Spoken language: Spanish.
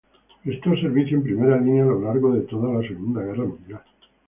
Prestó servicio en primera línea a lo largo de toda la Segunda Guerra Mundial.